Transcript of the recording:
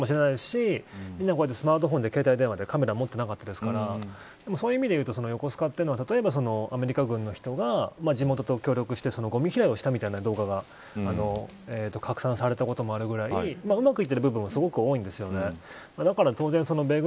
乱闘もあったかもしれないし携帯電話で、カメラを持っていなかったですからそういう意味で言うと横須賀というのはアメリカ軍の人が地元と協力してごみ拾いしたみたいな動画が拡散されたこともあるくらいうまくいっている部分もすごく多いんです。